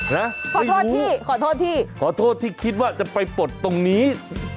นะไม่รู้ขอโทษที่คิดว่าจะไปปลดตรงนี้ไม่รู้